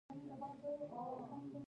پکورې له صحنه سره خوندورې وي